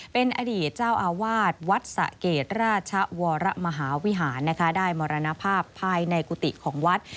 เป็นอดีตเจ้าอาวาสวัดสะเกดราชวรมหาวิหารนะคะได้มรณภาพภายในกุฏิของวัด